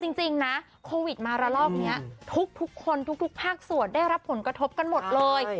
จริงนะโควิดมาระลอกนี้ทุกคนทุกภาคส่วนได้รับผลกระทบกันหมดเลย